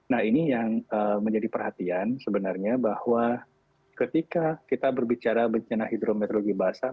nah ini yang menjadi perhatian sebenarnya bahwa ketika kita berbicara bencana hidrometeorologi basah